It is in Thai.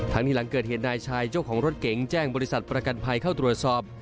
ที่หลังเกิดเหตุนายชายเจ้าของรถเก๋งแจ้งบริษัทประกันภัยเข้าตรวจสอบ